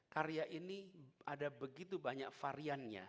karya ini ada begitu banyak variannya